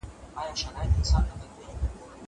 زه له سهاره اوبه پاکوم.